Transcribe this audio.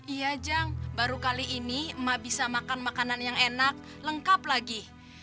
iya jang baru kali ini emak bisa makan makanan yang enak lengkap lagi